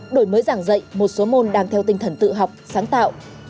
đổi mới giảng dạy một số môn đang theo tinh thần tự học sáng tạo